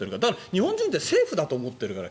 日本人って、セーフだと思ってるから。